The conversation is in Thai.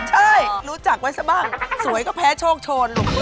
ใช่รู้จักไว้ซะบ้างสวยก็แพ้โชคโชน